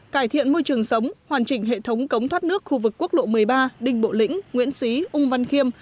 cải thiện môi trường sống hoàn chỉnh hệ thống cống thoát nước khu vực quốc lộ một mươi ba đình bộ lĩnh nguyễn xí ung văn khiêm